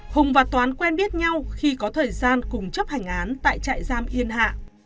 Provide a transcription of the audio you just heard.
hùng và toán quen biết nhau khi có thời gian cùng chấp hành án tại trại giam yên hạ